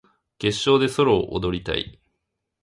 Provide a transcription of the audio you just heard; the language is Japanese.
決勝でソロを踊りたい